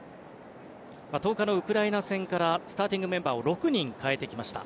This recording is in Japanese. １０日のウクライナ戦からスターティングメンバーを６人代えてきました。